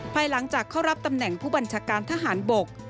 ภายหลังจากเข้ารับตำแหน่งผู้บัญชาการทหารบก